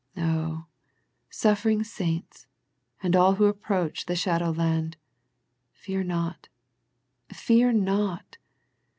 Oh, suffering saints, and all who approach the shadow land, fear not, fear not!